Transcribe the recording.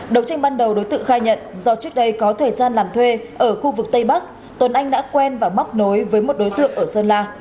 đầu tranh ban đầu đối tượng khai nhận do trước đây có thời gian làm thuê ở khu vực tây bắc tuấn anh đã quen và móc nối với một đối tượng ở sơn la